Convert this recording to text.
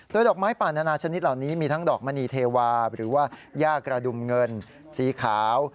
โดยดอกไม้ป่านานาชนิดเหล่านี้มีทั้งดอกมณีเทวาหรือว่าย่ากระดุมเงินสีขาว